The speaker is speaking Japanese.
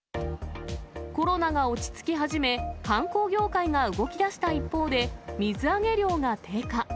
コロナが落ち着き始め、観光業界が動きだした一方で、水揚げ量が低下。